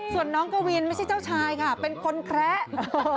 ส่วนน้องกวินไม่ใช่เจ้าชายค่ะเป็นคนแคระ